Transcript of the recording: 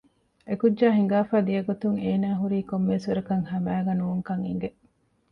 އެކުއްޖާ ހިނގާފައި ދިޔަގޮތުން އޭނާ ހުރީ ކޮންމެވެސް ވަރަކަށް ހަމައިގަ ނޫންކަން އެގެ